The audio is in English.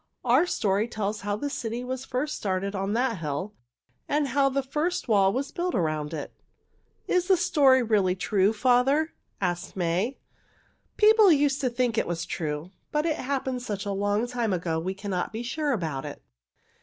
Our story tells how the city was first started on that hill and how the first wall was built around it." "Is the story really true, father?" asked May. "People used to think it was true, but it happened such a long time ago we cannot be sure about it.